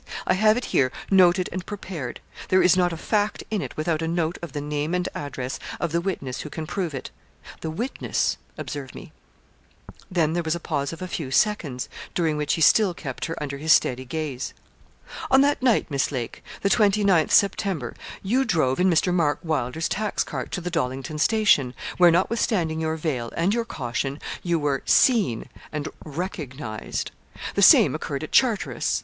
I have it here, noted and prepared. There is not a fact in it without a note of the name and address of the witness who can prove it the witness observe me.' Then there was a pause of a few seconds, during which he still kept her under his steady gaze. 'On that night, Miss Lake, the 29th September, you drove in Mr. Mark Wylder's tax cart to the Dollington station, where, notwithstanding your veil, and your caution, you were seen and recognised. The same occurred at Charteris.